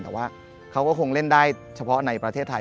แต่ว่าเขาก็คงเล่นได้เฉพาะในประเทศไทย